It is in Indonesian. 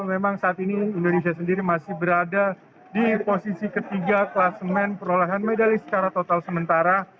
memang saat ini indonesia sendiri masih berada di posisi ketiga klasemen perolahan medali secara total sementara